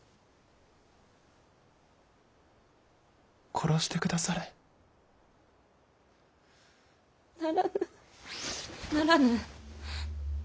殺して下され。ならぬ。